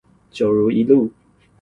九如一路